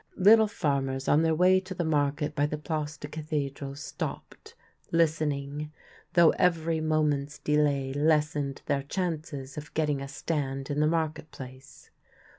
Little farmers on their way to the market by the Place de Cathedral stopped, listening, though every moment's delay lessened their chances of getting a stand in the market place.